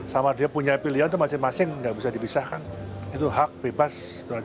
sama dia punya pilihan itu masing masing nggak bisa dipisahkan itu hak bebas